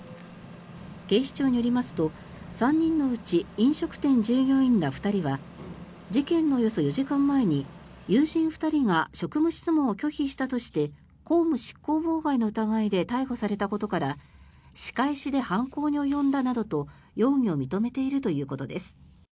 警視庁によりますと３人のうち飲食店従業員ら２人は事件のおよそ４時間前に友人２人が職務質問を拒否したとして公務執行妨害の疑いで逮捕されたことから仕返しで犯行に及んだなどと容疑を認めているということです。